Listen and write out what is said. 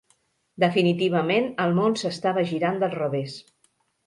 Definitivament el món s'estava girant del revés.